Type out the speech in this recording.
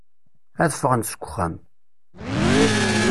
Ad ffɣen seg uxxam.